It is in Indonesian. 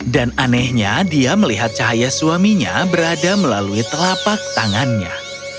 dan anehnya dia melihat cahaya suaminya berada melalui telapak tangannya